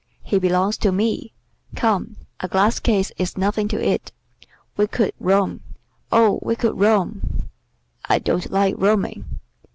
"He belongs to me. Come, a glass case is nothing to it. We could roam; oh, we could roam!" "I don't like roaming."